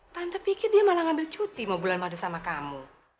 tanpa pikir dia malah ngambil cuti mau bulan madu sama kamu